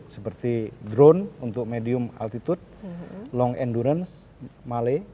seperti drone untuk medium altitude long endurance male